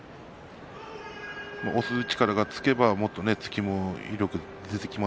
押す力がつけば突きも威力が出てきます。